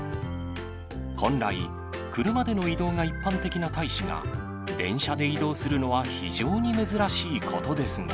本来、車での移動が一般的な大使が、電車で移動するのは非常に珍しいことですが。